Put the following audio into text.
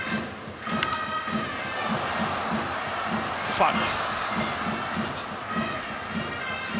ファウルです。